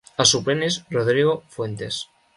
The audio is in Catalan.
El suplent és Rodrigo Fuentes.